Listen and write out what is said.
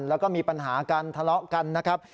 แล้วก็มีปัญหากันทะเลาะกันนะครับ